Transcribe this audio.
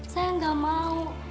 saya gak mau